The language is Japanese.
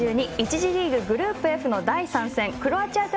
次リーグ、グループＦの第３戦クロアチア対